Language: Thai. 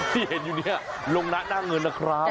ที่เห็นอยู่เนี่ยลงหน้าเงินนะครับ